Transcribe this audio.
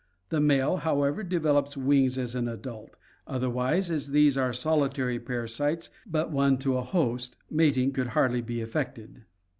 The male, however, develops wings as an adult, otherwise, as these are solitary parasites, but one to a host, mating could hardly be effected.